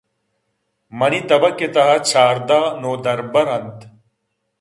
منی تبک ءِ تہ ءَ چھاردہ نودربر اَنت۔